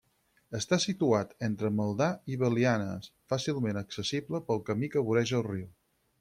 Està situat entre Maldà i Belianes, fàcilment accessible pel camí que voreja el riu.